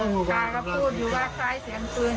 คุณตาก็พูดอยู่ว่าคล้ายเสียงปืน